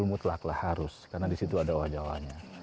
mutlak lah harus karena disitu ada oha jawa nya